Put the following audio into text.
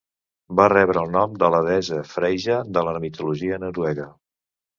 Va rebre el nom de la deessa Freyja de la mitologia noruega.